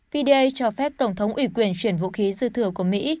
pda cho phép tổng thống ủy quyền chuyển vũ khí dư thừa của mỹ